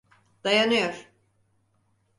Dayanıyor.